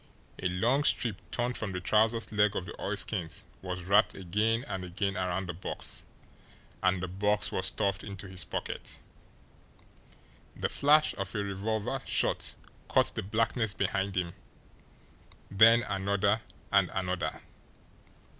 A long strip torn from the trousers' leg of the oilskins was wrapped again and again around the box and the box was stuffed into his pocket. The flash of a revolver shot cut the blackness behind him, then another, and another.